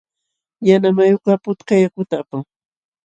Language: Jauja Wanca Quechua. Yanamayukaq putka yakuta apan.